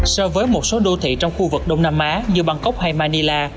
so với một số đô thị trong khu vực đông nam á như bangkok hay manila